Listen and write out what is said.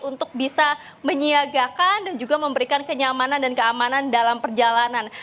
untuk bisa menyiagakan dan juga memberikan kenyamanan dan keamanan dalam perjalanan